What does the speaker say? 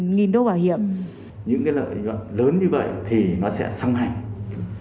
những cái lợi nhuận lớn như vậy thì nó sẽ song hành